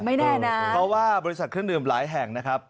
ไม่แน่นะเพราะว่าบริษัทเครื่องดื่มหลายแห่งนะครับ